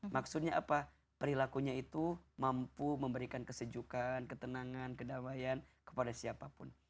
maksudnya apa perilakunya itu mampu memberikan kesejukan ketenangan kedamaian kepada siapapun